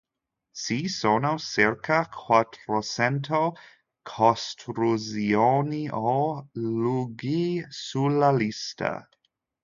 Ci sono circa quattrocento costruzioni o luoghi sulla lista.